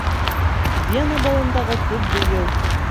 Вена балындағы төп бейеү.